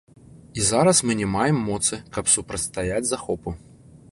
І зараз мы не маем моцы, каб супрацьстаяць захопу.